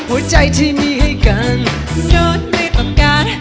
อุ้ยจริงเหรอ